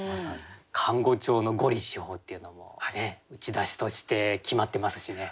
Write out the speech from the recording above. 漢語調の「五里四方」っていうのも打ち出しとして決まってますしね。